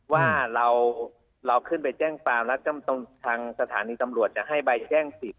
ว่าเราขึ้นไปแจ้งความแล้วทางสถานีตำรวจจะให้ใบแจ้งสิทธิ